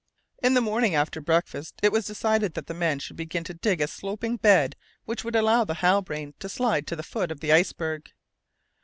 In the morning, after breakfast, it was decided that the men should begin to dig a sloping bed which would allow the Halbrane to slide to the foot of the iceberg.